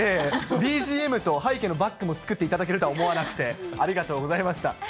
ＢＧＭと背景のバックも作っていただけるとは思わなくて、ありがとうございました。